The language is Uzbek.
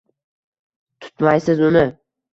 Tutmaysiz uni